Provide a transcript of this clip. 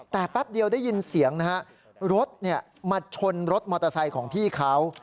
แต่แป๊บเดียวได้ยินเสียงนะฮะรถมาชนรถมอเตอร์ไซค์ของพี่เขา